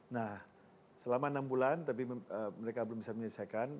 nah selama enam bulan tapi mereka belum bisa menyelesaikan